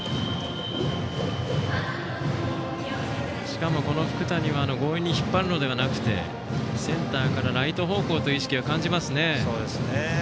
しかも福谷は強引に引っ張るのではなくてセンターからライト方向という意識を感じますね。